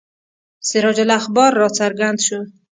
سراج الاخبار را څرګند شو.